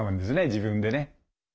自分でね。